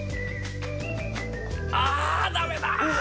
ああダメだ。